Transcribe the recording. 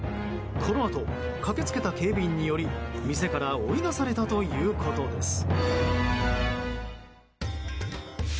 このあと駆けつけた警備員により店から追い出されたということです。